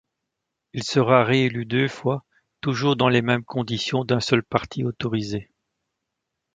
Il sera réélu deux fois, toujours dans les mêmes conditions d'un seul parti autorisé.